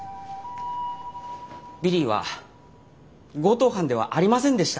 ビリーは強盗犯ではありませんでした。